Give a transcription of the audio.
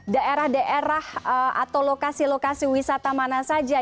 daerah daerah atau lokasi lokasi wisata mana saja